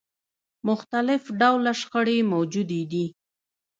مختلف ډوله شخړې موجودې دي.